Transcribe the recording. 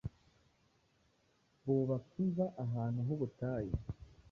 bubaka Imva ahantu h'ubutayu,